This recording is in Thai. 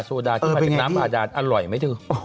เออเป็นอย่างไรพี่น้ำอาจารย์อร่อยไหมเธอ